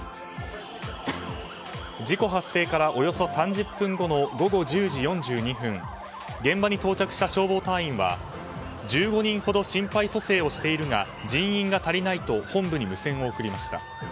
事故発生からおよそ３０分後の午後１０時４２分現場に到着した消防隊員は１５人ほど心肺蘇生をしているが人員が足りないと本部に無線を送りました。